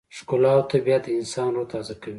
ښکلا او طبیعت د انسان روح تازه کوي.